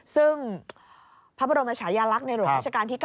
ซึ่งพระบรมชายาลักษณ์ในหลวงราชการที่๙